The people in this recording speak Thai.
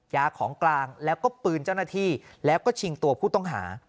ยาของกลางแล้วก็ปืนเจ้าหน้าที่แล้วก็ชิงตัวผู้ต้องหา